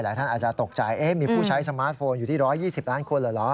ท่านอาจจะตกใจมีผู้ใช้สมาร์ทโฟนอยู่ที่๑๒๐ล้านคนเหรอ